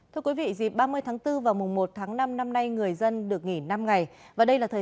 thưa quý vị dịp ba mươi tháng bốn và mùa một tháng năm năm nay người dân được nghỉ năm ngày và đây là thời